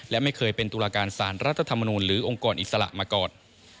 และไม่เคยเป็นตุลาการสารรัฐธรรมนูลหรือองค์กรอิสระมาก่อน